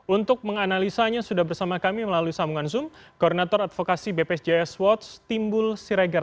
untuk menganalisanya sudah bersama kami melalui sambungan zoom koordinator advokasi bpjs watch timbul siregar